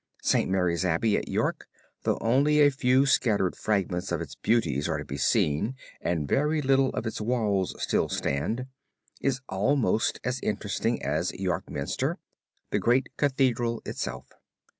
St. Mary's Abbey at York, though only a few scattered fragments of its beauties are to be seen and very little, of its walls still stand, is almost as interesting as Yorkminster, the great Cathedral itself.